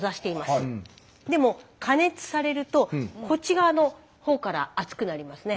でも加熱されるとこっち側のほうから熱くなりますね。